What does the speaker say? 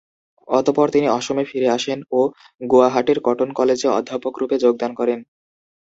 তারপর তিনি অসমে ফিরে আসেন ও গুয়াহাটির কটন কলেজে অধ্যাপক রুপে যোগদান করেন।